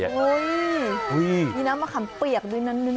เฮ้ยมีน้ำมะขามเปียกด้วยนั้นด้วยนะ